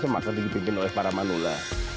maka dibikin oleh para manula